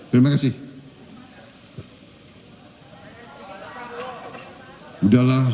terima kasih banyak banyak